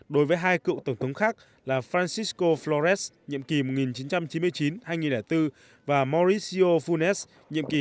đối với hai cựu tổng thống khác là francisco flores nhiệm kỳ một nghìn chín trăm chín mươi chín hai nghìn bốn và mauricio funes nhiệm kỳ hai nghìn chín hai nghìn một mươi bốn